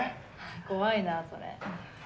・怖いなそれ。